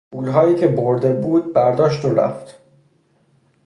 پولهایی را که برده بود برداشت و رفت.